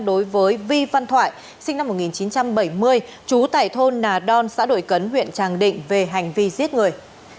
đối với vi văn thoại sinh năm một nghìn chín trăm bảy mươi trú tại thôn nà đon xã đội cấn huyện tràng định về hành vi giết người